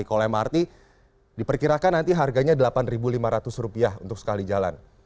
kalau mrt diperkirakan nanti harganya rp delapan lima ratus untuk sekali jalan